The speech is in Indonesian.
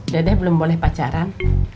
dede belum boleh pacaran